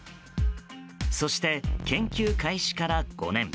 そして、研究開始から５年。